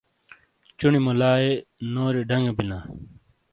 چُونی مُولایئے نوری ڈَنگے بِیلاں۔